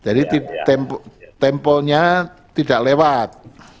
jadi temponya tidak lewat